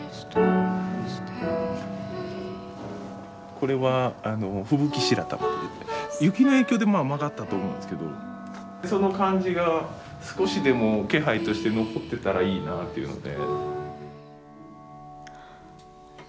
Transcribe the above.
これは吹雪白玉という雪の影響で曲がったと思うんですけどその感じが少しでも気配として残ってたらいいなっていうので。